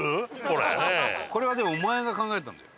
これはでもお前が考えたんだよ。